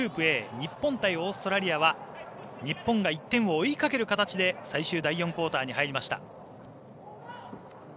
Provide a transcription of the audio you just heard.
日本対オーストラリアは日本が１点を追いかける形で最終第４クオーターに入りました。